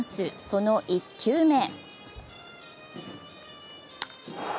その１球目。